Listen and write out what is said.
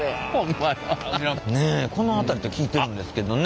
ねえこの辺りと聞いてるんですけどね。